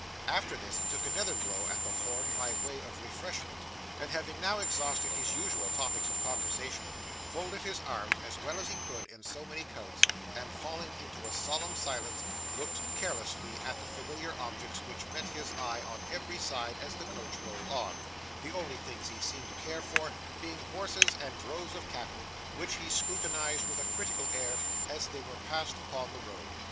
After this, he took another blow at the horn by way of refreshment; and, having now exhausted his usual topics of conversation, folded his arms as well as he could in so many coats, and falling into a solemn silence, looked carelessly at the familiar objects which met his eye on every side as the coach rolled on; the only things he seemed to care for, being horses and droves of cattle, which he scrutinised with a critical air as they were passed upon the road.